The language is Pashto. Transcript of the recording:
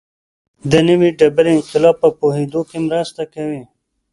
د نوې ډبرې انقلاب په پوهېدو کې مرسته کوي.